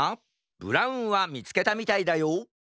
ブラウンはみつけたみたいだよ